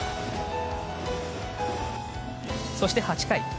そして、８回。